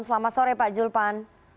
selamat sore pak julpan